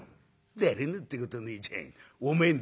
「『誰の？』ってことねえじゃねえかおめえんだよ」。